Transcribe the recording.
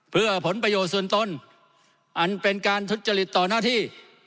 เพื่อผลประโยชน์ส่วนตนอันเป็นการทุจริตต่อหน้าที่